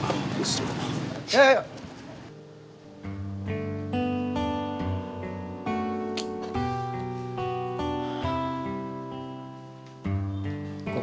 pak amir bisa ngikutin kita dari belakang